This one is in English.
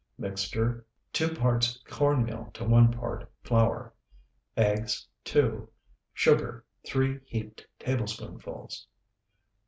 Mixture, 2 parts corn meal to 1 part flour. Eggs, 2. Sugar, 3 heaped tablespoonfuls.